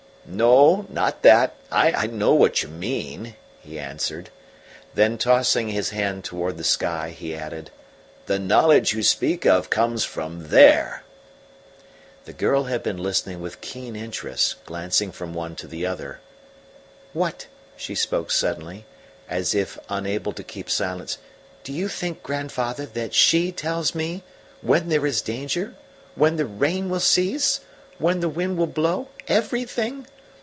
"No, not that I know what you mean," he answered. Then, tossing his hand towards the sky, he added: "The knowledge you speak of comes from there." The girl had been listening with keen interest, glancing from one to the other. "What!" she spoke suddenly, as if unable to keep silence, "do you think, grandfather, that SHE tells me when there is danger when the rain will cease when the wind will blow everything?